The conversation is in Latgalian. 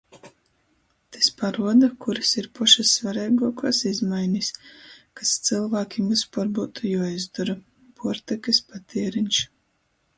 Tys paruoda, kurys ir pošys svareiguokuos izmainis, kas cylvākim vyspuor byutu juoizdora. Puortykys patiereņš.